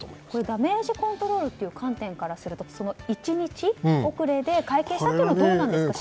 ダメージコントロールっていう観点からすると１日遅れで会見したというのはどうなんですか。